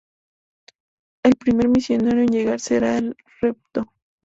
El primer misionero en llegar será el Rvdo.